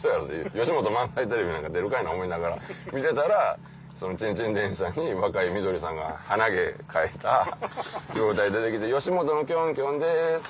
『吉本満載テレビ』なんか出るかいな思いながら見てたらチンチン電車に若井みどりさんが鼻毛描いた状態で出てきて「吉本のキョンキョンです